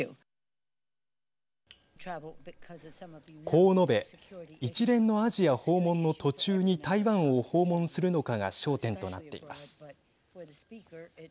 こう述べ一連のアジア訪問の途中に台湾を訪問するのかが焦点となっています。